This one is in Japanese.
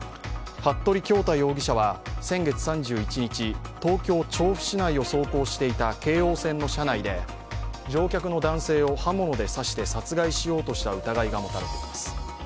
服部恭太容疑者は先月３１日東京・調布市内を走行していた京王線の車内で乗客の男性を刃物で刺して殺害しようとした疑いが持たれています。